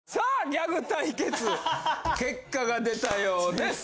ギャグ対決結果が出たようです。